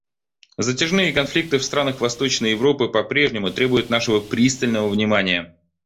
Затяжные конфликты в странах Восточной Европы по-прежнему требуют нашего пристального внимания.